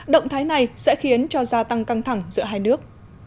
động thái này sẽ khiến cho gia tăng căng thẳng giữa hai nước